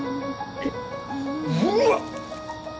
えっうわっ！